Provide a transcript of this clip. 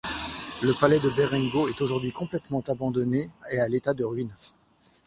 Le palais de Berengo est aujourd'hui complètement abandonné et à l'état de ruines.